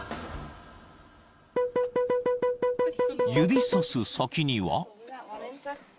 ［指さす先には］